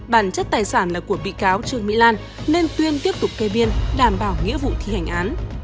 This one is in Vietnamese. bản chất tài sản là của bị cáo trương mỹ lan nên tuyên tiếp tục kê biên đảm bảo nghĩa vụ thi hành án